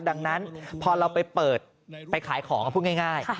ดังนั้นพอเราไปเปิดไปขายของพูดง่าย